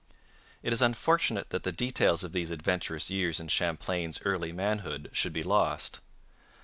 It is unfortunate that the details of these adventurous years in Champlain's early manhood should be lost.